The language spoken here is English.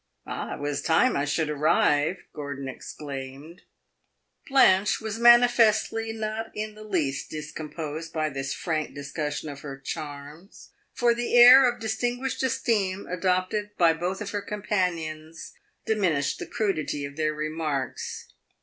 "Ah, it was time I should arrive!" Gordon exclaimed. Blanche was manifestly not in the least discomposed by this frank discussion of her charms, for the air of distinguished esteem adopted by both of her companions diminished the crudity of their remarks.